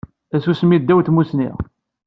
Tasusmi d dwa n tmusni.